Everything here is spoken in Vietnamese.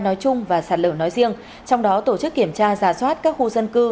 nói chung và sạt lở nói riêng trong đó tổ chức kiểm tra giả soát các khu dân cư